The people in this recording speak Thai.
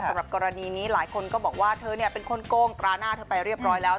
สำหรับกรณีนี้หลายคนก็บอกว่าเธอเป็นคนโกงตราหน้าเธอไปเรียบร้อยแล้ว